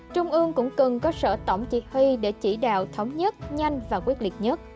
trung ương cũng cần có sở tổng chỉ huy để chỉ đạo thống nhất nhanh và quyết liệt nhất